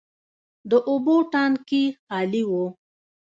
د اوبو ټانکي خالي و.